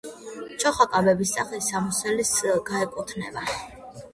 ჩოხა კაბების სახის სამოსელს განეკუთვნება.